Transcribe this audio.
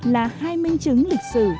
là hai minh chứng lịch sử